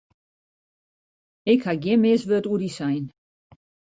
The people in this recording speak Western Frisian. Ik haw gjin mis wurd oer dy sein.